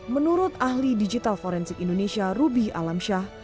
menurut ahli digital forensik indonesia ruby alamsyah